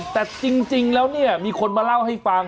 แต่จริงแล้วเนี่ยมีคนมาเล่าให้ฟัง